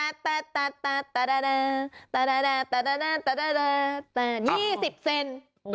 ๒๐เซนติเซน